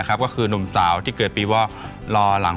แม่บ้านพระจันทร์บ้าน